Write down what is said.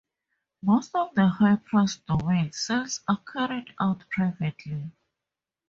Most of the high-prize domain sales are carried out privately.